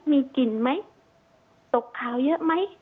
มีกลิ่นไหมตกขาวเยอะไหม